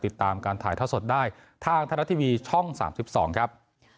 ติดตามการถ่ายทอดสดได้ทางธนาทีวีช่องสามสิบสองครับ